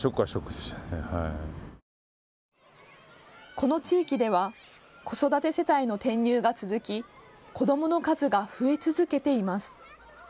この地域では子育て世帯の転入が続き子どもの数が増え続けています。